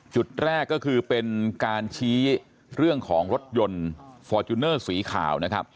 จุดแรกก็คือเป็นการชี้เรื่องของรถยนต์ฟอร์จูเนอร์สีขาวนะครับ